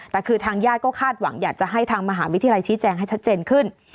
แต่คือทางญาติก็คาดหวังอยากจะให้ทางมหาวิทยาลัยชี้แจงให้ชัดเจนขึ้น